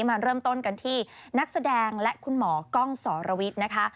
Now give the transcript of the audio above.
มาเริ่มต้นกันที่นักแสดงและคุณหมอกล้องสรวิทย์นะคะ